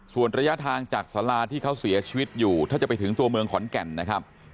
ส่วนระยะทางจากสาราที่เขาเสียชีวิตอยู่ถ้าจะไปถึงตัวเมืองขอนแก่นนะครับ